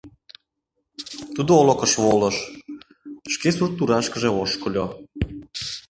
Тудо олыкыш волыш, шке сурт турашкыже ошкыльо.